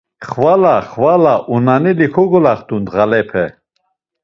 Xvala xvala, uneneli kogolaxtu ndğalepe.